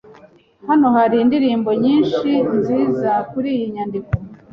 Hano hari indirimbo nyinshi nziza kuriyi nyandiko.